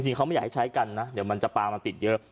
เขาไม่อยากให้ใช้กันนะเดี๋ยวมันจะปลามันติดเยอะ